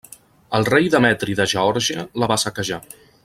El rei Demetri de Geòrgia la va saquejar.